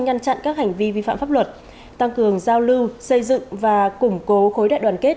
ngăn chặn các hành vi vi phạm pháp luật tăng cường giao lưu xây dựng và củng cố khối đại đoàn kết